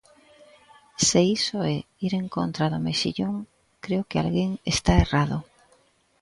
Se iso é ir en contra do mexillón, creo que alguén está errado.